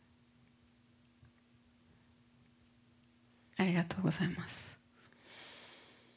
ありがとうございます。